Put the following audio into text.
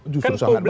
justru sangat bagus